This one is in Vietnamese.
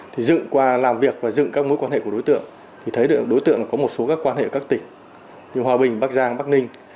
thì dựng qua làm việc và dựng các mối quan hệ của đối tượng thì thấy được đối tượng có một số các quan hệ các tỉnh như hòa bình bắc giang bắc ninh